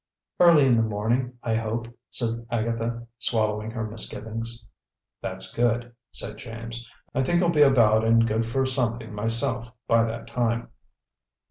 "Early in the morning, I hope," said Agatha, swallowing her misgivings. "That's good," said James. "I think I'll be about and good for something myself by that time."